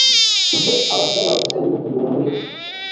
Icyo abasaba gusa ni ukuguma muri we.